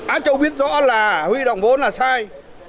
á châu biết rõ là huy động vốn là sai